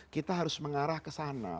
kita harus mengarah kesana